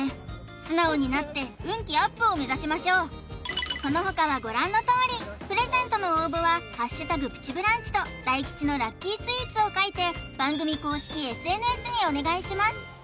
素直になって運気アップを目指しましょうその他はご覧のとおりプレゼントの応募は「＃プチブランチ」と大吉のラッキースイーツを書いて番組公式ＳＮＳにお願いします